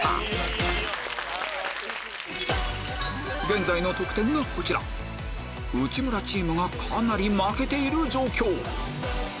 現在の得点がこちら内村チームがかなり負けている状況